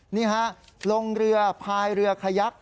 นี่ฮะลงเรือพายเรือขยัก